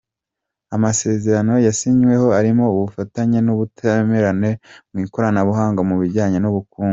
Amasezerano yasinywe arimo ubufatanye n’ubutwererane mu ikoranabuhanga mu bijyanye n’ubukungu.